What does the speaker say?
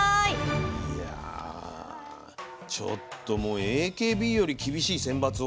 いやちょっともうＡＫＢより厳しい選抜を。